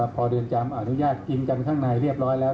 พอเรือนจำอนุญาตกินกันข้างในเรียบร้อยแล้ว